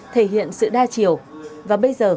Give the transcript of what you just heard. thể hiện sự đa chiều và bây giờ